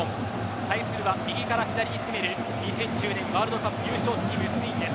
対するは右から左に攻める２０１０年ワールドカップ優勝チームスペインです。